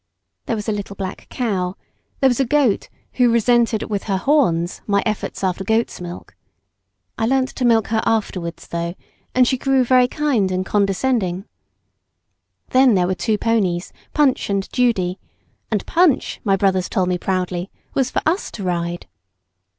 There was a little black cow, there was a goat who resented with her horns my efforts after goat's milk. I learnt to milk her afterwards though, and she grew very kind and condescending. Then there were two ponies, Punch and Judy, and Punch, my brothers told me proudly, was for us to ride.